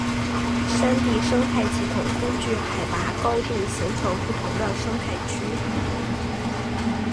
山地生态系统根据海拔高度形成不同的生态区。